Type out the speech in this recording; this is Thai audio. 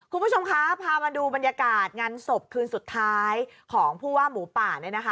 คุณผู้ชมคะพามาดูบรรยากาศงานศพคืนสุดท้ายของผู้ว่าหมูป่าเนี่ยนะคะ